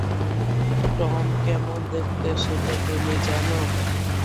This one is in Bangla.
টম কেমন দেখতে সেটা তুমি জানো?